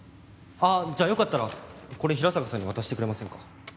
ああじゃあよかったらこれ平坂さんに渡してくれませんか？